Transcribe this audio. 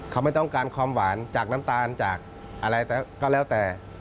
เขาไม่ต้องการความหวานจากน้ำตาลจากอะไรก็แล้วแต่